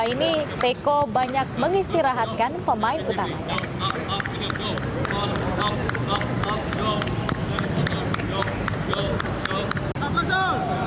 ini teko banyak mengistirahatkan pemain utamanya